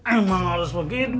emang harus begitu